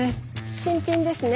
新品ですね。